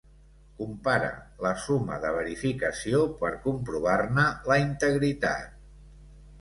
Compara la suma de verificació per comprovar-ne la integritat.